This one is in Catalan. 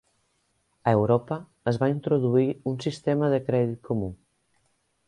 A Europa es va introduir un sistema de crèdit comú.